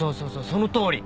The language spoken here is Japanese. そのとおり。